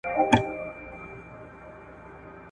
ټولنیز نظام مورګنی وو